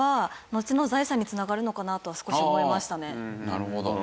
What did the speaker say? なるほど。